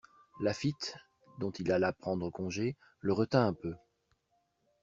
Laffitte, dont il alla prendre congé, le retint un peu.